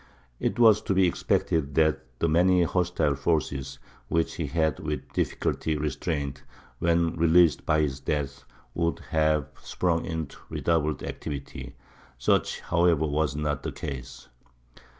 It was to be expected that the many hostile forces which he had with difficulty restrained, when released by his death, would have sprung into redoubled activity. Such, however, was not the case.